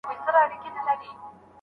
اقتصاد باید د بېوزلو په ګټه وي.